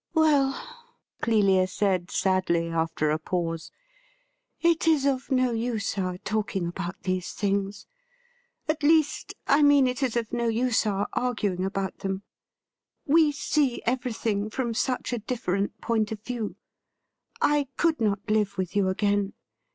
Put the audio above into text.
' Well,' Clelia said sadly, after a pause, ' it is of no use our talking about these things — at least, I mean it is of no use our arguing about them. We see everything from such a different point of view. I could not live with you again.